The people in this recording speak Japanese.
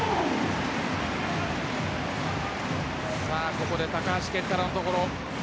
ここで高橋健太郎の所。